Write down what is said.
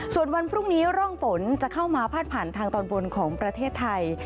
ส่วนวันพรุ่งนี้ร่องฝนจะเข้ามาพาดผ่านทางตอนบนของประเทศไทย